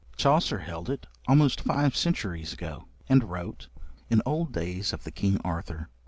Chaucer held it, almost five centuries ago, and wrote: In olde dayes of the Kyng Arthour